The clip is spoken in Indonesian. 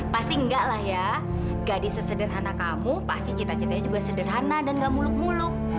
pasti enggak lah ya gadis sesederhana kamu pasti cita citanya juga sederhana dan gak muluk muluk